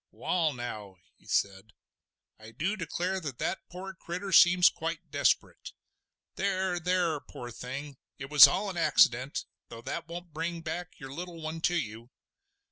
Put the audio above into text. "Wall, now!" he said, "I du declare that that poor critter seems quite desperate. There! there! poor thing, it was all an accident—though that won't bring back your little one to you.